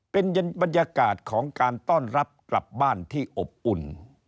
เป็นบรรยากาศของการต้อนรับกลับบ้านที่อบอุ่น